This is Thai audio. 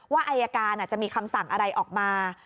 อายการจะมีคำสั่งอะไรออกมา